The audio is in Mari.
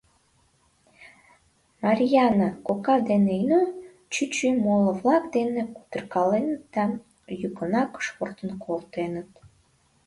Марйаана кока ден Эйно чӱчӱ моло-влак дене кутыркаленыт да йӱкынак шортын колтеныт.